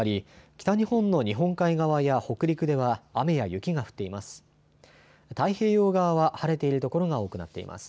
北日本の日本海側や北陸では雨や雪が降っています。